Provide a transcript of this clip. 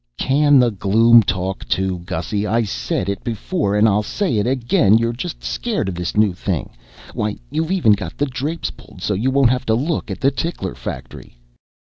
"Can the gloom talk too! Gussy, I said it before and I say it again, you're just scared of this new thing. Why, you've even got the drapes pulled so you won't have to look at the tickler factory."